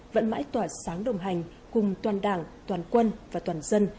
vẫn mãi tỏa sáng đồng hành cùng toàn đảng toàn quân và toàn dân